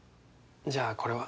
じゃあこれは。